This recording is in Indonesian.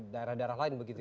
daerah daerah lain begitu